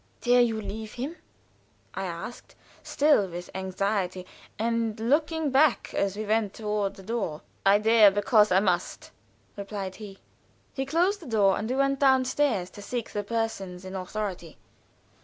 "Dare you leave him?" I asked, still with anxiety, and looking back as we went toward the door. "I dare because I must," replied he. He closed the door, and we went down stairs to seek the persons in authority.